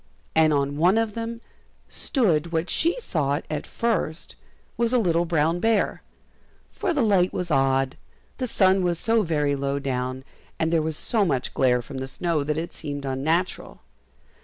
And on one of them stood what she thought at first was a little brown bear, for the light was odd, the sun was so very low down, and there was so much glare from the snow that it seemed unnatural.